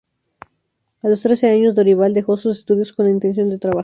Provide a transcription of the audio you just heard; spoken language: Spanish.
A los trece años Dorival dejó sus estudios con la intención de trabajar.